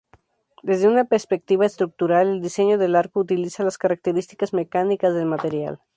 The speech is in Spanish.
Desde una perspectiva estructural, el diseño del arco utiliza las características mecánicas del material.